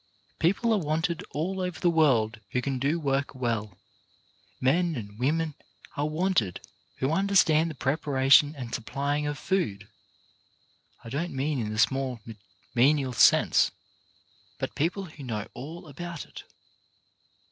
People are wanted all over the world who can do work well, Men and women are wanted who understand the preparation and supplying of food — I don't mean in the small menial sense — but people who know all about it.